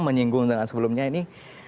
menyinggung dengan sebelumnya ini